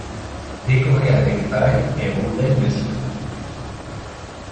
Décorez avec paille et rondelle de citron.